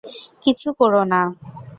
কিছু করো না।